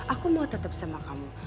aku mau tetap sama kamu